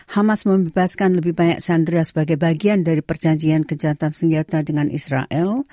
hamas membebaskan lebih banyak sandra sebagai bagian dari perjanjian kejahatan senjata dengan israel